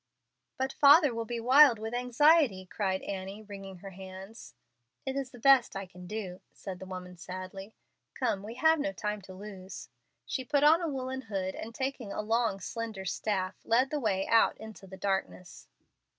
"But father will be wild with anxiety," cried Annie, wringing her hands. "It is the best I can do," said the woman, sadly. "Come, we have no time to lose." She put on a woollen hood, and taking a long, slender staff, led the way out into the darkness.